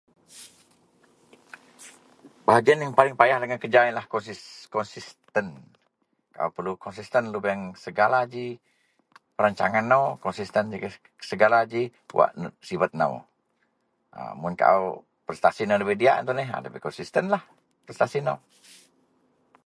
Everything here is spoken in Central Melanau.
Bahagian yang paling payah dagen kerja Konsisten kaau perlu konsisten lubeang segala ji perancang nou konsisten segala ji wak sibet nou mun kaau prestasi nou debei diyak iyen tuneh dabei konsisten lah prestasi nou.